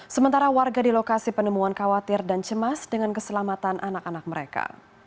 sementara warga di lokasi penemuan khawatir dan cemas dengan keselamatan anak anak mereka